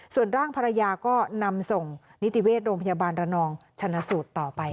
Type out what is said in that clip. ส่วนร่างภรรยาก็นำส่งนิติเวชโรงพยาบาลระนองชนะสูตรต่อไป